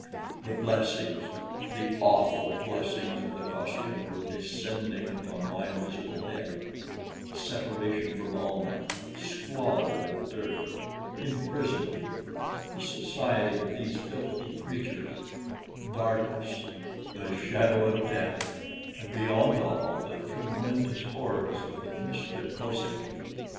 The blessings, the awful blessings of the Kosekin were descending upon my miserable head separation from Almah, squalor and dirt, imprisonment, the society of these filthy creatures, darkness, the shadow of death, and beyond all the tremendous horrors of the Mista Kosek!